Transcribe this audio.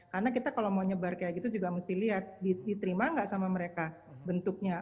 karena kita kalau mau nyebar kayak gitu juga mesti lihat diterima nggak sama mereka bentuknya